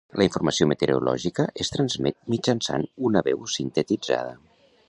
La informació meteorològica es transmet mitjançant una veu sintetitzada.